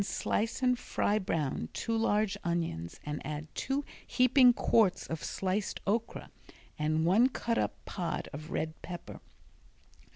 Slice and fry brown two large onions and add two heaping quarts of sliced okra and one cut up pod of red pepper.